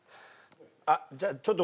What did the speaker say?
あっじゃあちょっと。